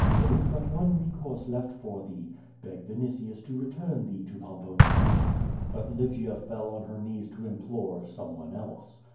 There is but one recourse left for thee. Beg Vinitius to return thee to Pom ponia.'* But Lygia fell on her knees to implore some one else.